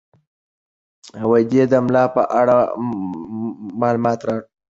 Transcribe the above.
دوی د ملالۍ په اړه معلومات راټولوي.